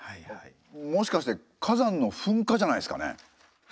もしかして火山の噴火じゃないですかね？